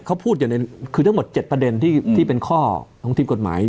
เขาพูดอย่างนั้นคือทั้งหมดเจ็ดประเด็นที่อืมที่เป็นข้อของทีมกฎหมาย